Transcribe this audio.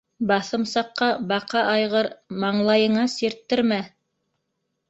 Баҫымсаҡҡа баҡа айғыр, маңлайыңа сирттермә!